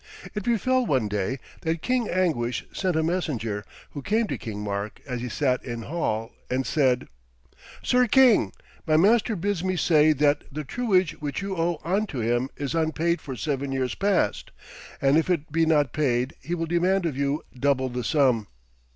It befell one day that King Anguish sent a messenger, who came to King Mark as he sat in hall, and said: 'Sir king, my master bids me say that the truage which you owe unto him is unpaid for seven years past, and if it be not paid he will demand of you double the sum.'